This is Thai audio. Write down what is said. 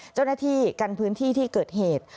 เจ้าหน้าที่กันพื้นที่ที่เกิดเหตุ